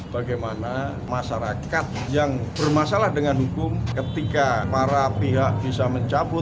bagaimana masyarakat yang bermasalah dengan hukum ketika para pihak bisa mencabut